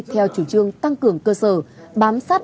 theo chủ trương tăng cường cơ sở bám sát